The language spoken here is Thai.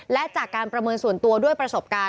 และจากการประเมินส่วนตัวด้วยประสบการณ์